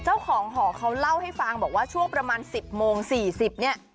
เจ้าของหอเขาเล่าให้ฟังบอกว่าช่วงประมาณ๑๐โมง๔๐เนี่ย